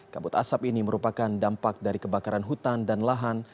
kabut asap ini merupakan dampak dari kebakaran hutan dan lahan